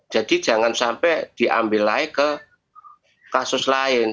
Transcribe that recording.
jadi jangan sampai diambil lagi ke kasus lain